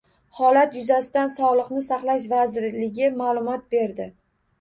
Holat yuzasidan Sog‘liqni saqlash vazirligi ma’lumot berdi